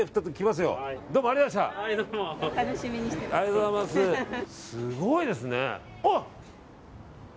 すごいですね。